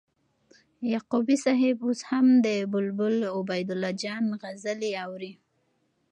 یعقوبی صاحب اوس هم د بلبل عبیدالله جان غزلي اوري